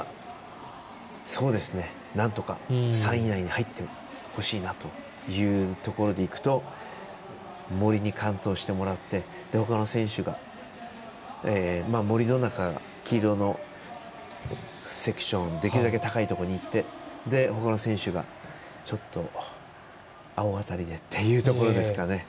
なんとか、３位以内に入ってほしいなというところでいくと森に完登してもらって森、野中が黄色のセクション、できるだけ高いところにいって他の選手がちょっと、青辺りでっていうところですかね。